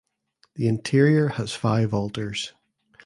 The interior has five altars.